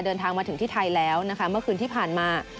เดินทางมาถึงที่ไทยแล้วนะคะเมื่อคืนที่ผ่านมา